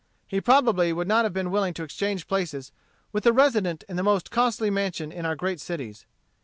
He probably would not have been willing to exchange places with the resident in the most costly mansion in our great cities.